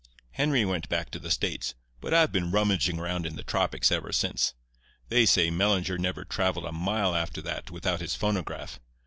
Henry went back to the States, but I've been rummaging around in the tropics ever since. They say Mellinger never travelled a mile after that without his phonograph.